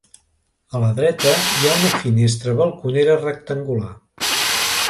A la dreta hi ha una finestra balconera rectangular.